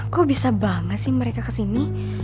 kok bisa banget sih mereka kesini